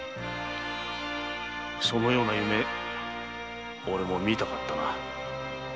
そのような夢俺も見たかったな。